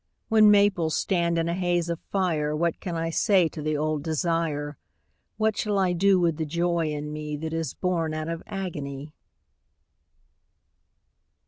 When maples stand in a haze of fire What can I say to the old desire, What shall I do with the joy in me That is born out of agony?